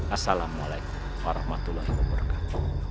assalamualaikum warahmatullahi wabarakatuh